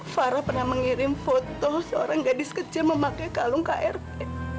farah pernah mengirim foto seorang gadis kecil memakai kalung krp